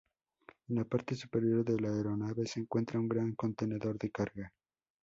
En la parte superior de la aeronave se encuentra un gran contenedor de carga.